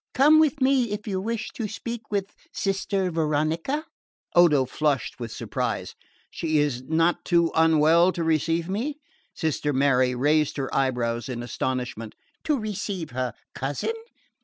Come with me if you wish to speak with Sister Veronica." Odo flushed with surprise. "She is not too unwell to receive me?" Sister Mary raised her eyebrows in astonishment. "To receive her cousin?